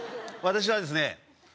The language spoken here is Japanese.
私はですね